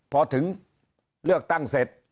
เพราะสุดท้ายก็นำไปสู่การยุบสภา